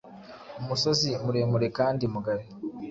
Umusozi muremurekandi mugari